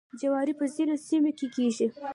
جواری په ځینو سیمو کې کیږي.